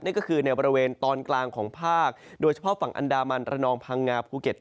ก็คือในบริเวณตอนกลางของภาคโดยเฉพาะฝั่งอันดามันระนองพังงาภูเก็ต